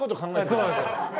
そうなんですよ。